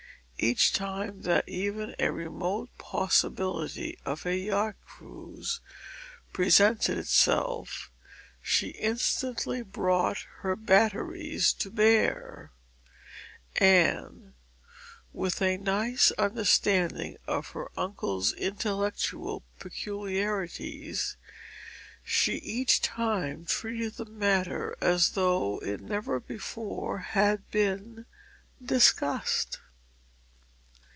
Each time that even a remote possibility of a yacht cruise presented itself she instantly brought her batteries to bear; and, with a nice understanding of her uncle's intellectual peculiarities, she each time treated the matter as though it never before had been discussed.